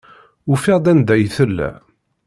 Ufiɣ-d anda ay tella.